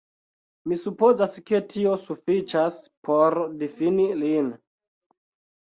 Mi supozas ke tio sufiĉas por difini lin".